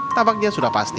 tampaknya sudah pasti